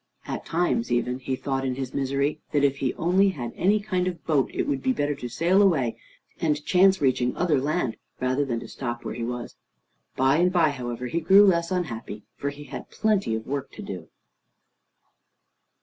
At times even, he thought in his misery that if he only had any kind of a boat, it would be better to sail away, and chance reaching other land, rather than to stop where he was. By and by, however, he grew less unhappy, for he had plenty of work to do.